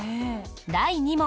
第２問。